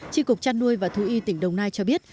tri cục trăn nuôi và thú y tỉnh đồng nai cho biết